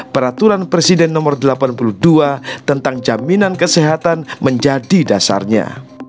peraturan presiden nomor delapan puluh dua tentang jaminan kesehatan menjadi dasarnya